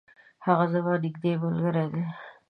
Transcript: هغه زما نیږدي ملګری دی.